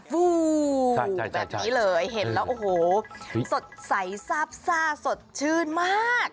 แบบนี้เลยเห็นแล้วโอ้โหสดใสซาบซ่าสดชื่นมาก